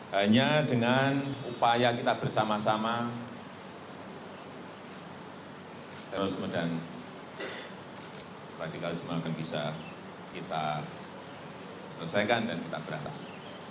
hanya dengan upaya kita bersama sama terorisme dan radikalisme akan bisa kita selesaikan dan kita beratas